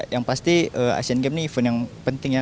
yang pasti asian games ini event yang penting ya